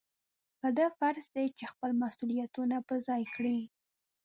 په ده فرض دی چې خپل مسؤلیتونه په ځای کړي.